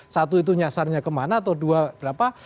satu itu nyasarnya kemana atau dua berapa